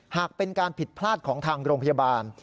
หากเป็นการผิดพลาดของทางโรงพยาบาล